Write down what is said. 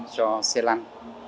cho xe lăn